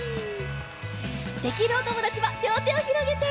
できるおともだちはりょうてをひろげて！